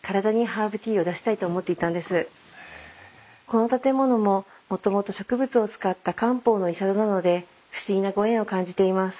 この建物ももともと植物を使った漢方の医者殿なので不思議なご縁を感じています。